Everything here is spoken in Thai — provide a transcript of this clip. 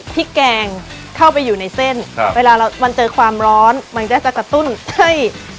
พริกแกงเข้าไปอยู่ในเส้นเวลามันเจอความร้อนมันจะจะกระตุ้นเพลิง